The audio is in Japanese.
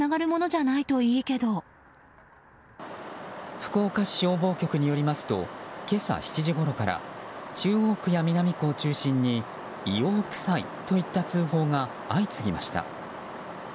福岡市消防局によりますと今朝７時ごろから中央区や南区を中心に硫黄臭いといった通報が相次ぎました。